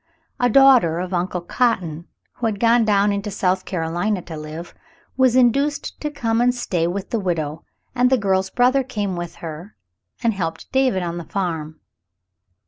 A daughter of her Uncle Cotton, who had gone down into South Carolina to live, was induced to come and stay with the widow, and the girl's brother came with her and helped David on the farm.